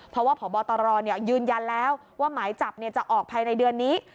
เพราะว่าพบตรยืนยันแล้วว่าหมายจับจะออกภายในเดือนนี้